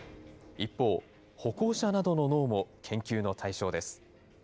一方、歩行者などの脳も、研究の対象です。